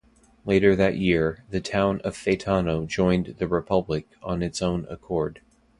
Later that year, the town of Faetano joined the republic on its own accord.